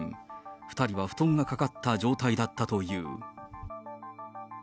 ２人は布団がかかった状態だったという。